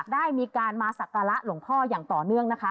ได้มีการมาสักการะหลวงพ่ออย่างต่อเนื่องนะคะ